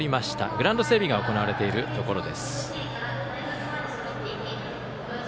グラウンド整備が行われているところです。